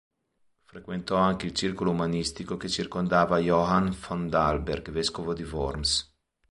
Frequentò anche il circolo umanistico che circondava Johann von Dalberg, vescovo di Worms.